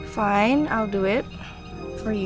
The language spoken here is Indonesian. baik aku akan lakuin